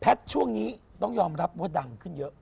ช่วงนี้ต้องยอมรับว่าดังขึ้นเยอะ